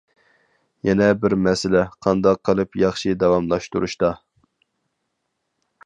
يەنە بىر مەسىلە-قانداق قىلىپ ياخشى داۋاملاشتۇرۇشتا!